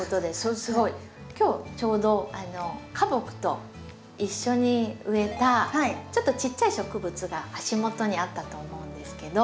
すごい。今日ちょうど花木と一緒に植えたちょっとちっちゃい植物が足元にあったと思うんですけど。